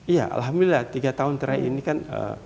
ya alhamdulillah tiga tahun terakhir ini kan